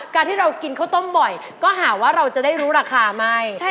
การที่เรากินข้าวต้มบ่อยก็หาว่าเราจะได้รู้ราคาไหม